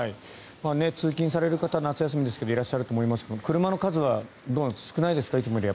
通勤される方夏休みですがいらっしゃると思いますが車の数はいつもより少ないですか？